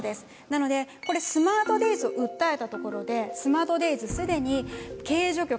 なのでこれスマートデイズを訴えたところでスマートデイズすでに経営状況